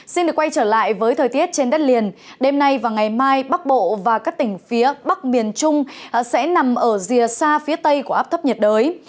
xin được quay trở lại với thời tiết trên đất liền đêm nay và ngày mai bắc bộ và các tỉnh phía bắc miền trung sẽ nằm ở rìa xa phía tây của áp thấp nhiệt đới